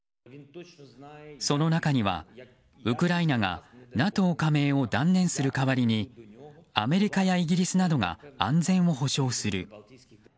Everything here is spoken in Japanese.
その中には、ウクライナがＮＡＴＯ加盟を断念する代わりにアメリカやイギリスなどが安全を保証する。